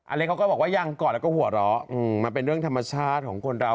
เล็กเขาก็บอกว่ายังกอดแล้วก็หัวเราะมันเป็นเรื่องธรรมชาติของคนเรา